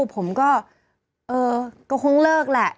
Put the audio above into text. ผมก็คงเลิกแหละ